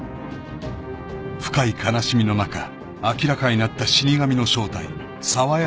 ［深い悲しみの中明らかになった死神の正体澤柳